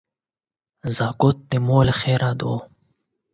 زکات د مال خيره ده.